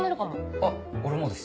あっ俺もです